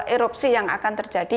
erupsi yang akan terjadi